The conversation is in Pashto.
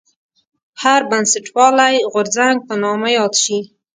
هر بنسټپالی غورځنګ په نامه یاد شي.